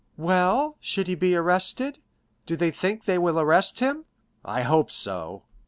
"Well, should he be arrested—do they think they will arrest him?" "I hope so."